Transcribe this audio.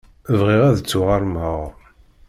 Bɣiɣ ad d-ttuɣermeɣ.